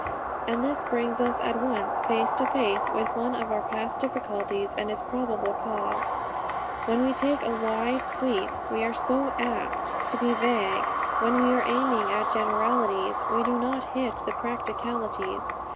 And this brings us at once face to face with one of our past difficulties, and its probable cause. When we take a wide sweep, we are so apt to be vague. When we are aiming at generalities we do not hit the practicalities.